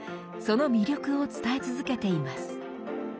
その魅力を伝え続けています。